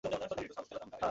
এবং তার পদ্ধতি পুরানো।